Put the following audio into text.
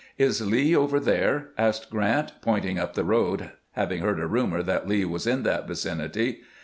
"Is Lee over there ?" asked Grant, pointing up the road, having heard a rumor that Lee was in that vicinity.